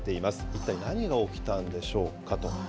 一体何が起きたんでしょうかと。